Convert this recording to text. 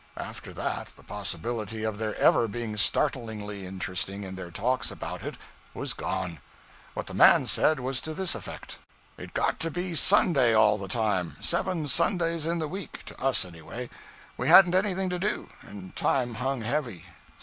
After that, the possibility of their ever being startlingly interesting in their talks about it was gone. What the man said was to this effect: 'It got to be Sunday all the time. Seven Sundays in the week to us, anyway. We hadn't anything to do, and time hung heavy.